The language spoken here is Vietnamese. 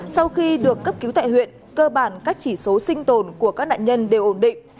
sau khi được cấp cứu tại huyện cơ bản các chỉ số sinh tồn của các nạn nhân đều ổn định